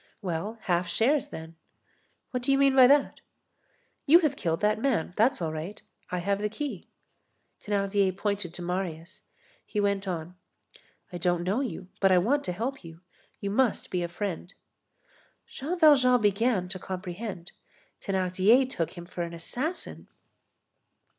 "Well, half shares then." "What do you mean by that?" "You have killed that man; that's all right. I have the key." Thénardier pointed to Marius. He went on: "I don't know you, but I want to help you. You must be a friend." Jean Valjean began to comprehend. Thénardier took him for an assassin.